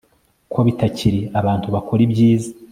Ko bitakiri abantu bakora ibyiza